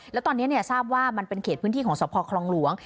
แล้วตอนนี้ทราบว่ามันเป็นเขตพื้นที่ของสภคลองหลวง